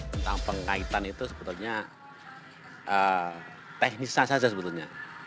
tentang pengkaitan itu sebetulnya teknisnya saja sebetulnya